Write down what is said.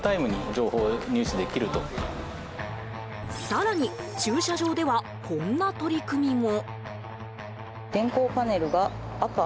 更に駐車場ではこんな取り組みも。